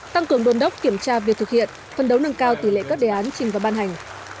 tăng cường đồn đốc kiểm tra việc thực hiện phân đấu nâng cao tỷ lệ các đề án trình và ban hành